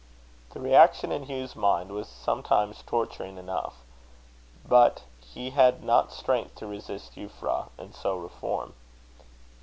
The reaction in Hugh's mind was sometimes torturing enough. But he had not strength to resist Euphra, and so reform.